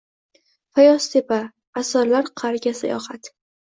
Fayoztepa – asrlar qa’riga sayohat